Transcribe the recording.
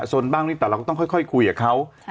สนบ้างนิดแต่เราก็ต้องค่อยคุยกับเขา